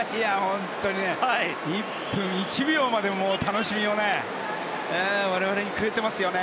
本当に１分１秒まで楽しみを我々にくれていますよね。